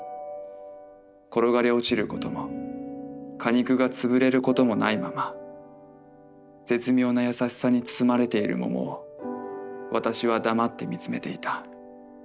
転がり落ちることも果肉が潰れることもないまま絶妙な優しさに包まれている桃を私は黙って見つめていた。